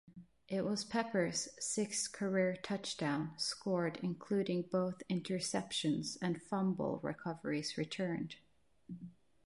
It was Peppers sixth career touchdown scored including both interceptions and fumble recoveries returned.